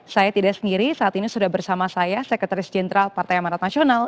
saya tidak sendiri saat ini sudah bersama saya sekretaris jenderal partai amarat nasional